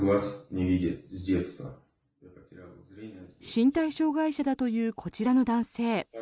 身体障害者だというこちらの男性。